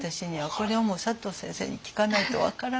これはもう佐藤先生に聞かないと分からないです。